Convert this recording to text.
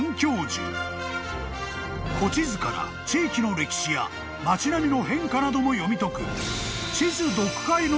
［古地図から地域の歴史や町並みの変化なども読み解く］